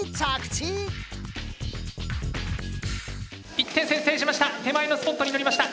１点先制しました。